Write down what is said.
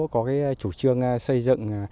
có chủ trương xây dựng